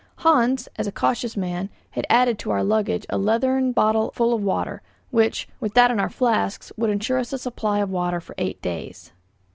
Hans, as a cautious man, had added to our luggage a leathern bottle full of water, which, with that in our flasks, would ensure us a supply of water for eight days.